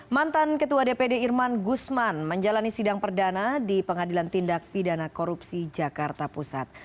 mantan ketua dpd irman gusman menjalani sidang perdana di pengadilan tindak pidana korupsi jakarta pusat